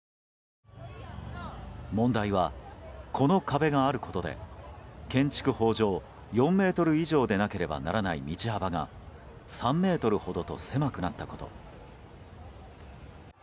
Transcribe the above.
問題は、この壁があることで建築法上４ｍ以上でなければならない道幅が３ｍほどと狭くなったこと。